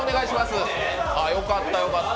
あ、よかった、よかった。